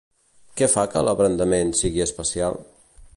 Què fa que L'Abrandament sigui especial?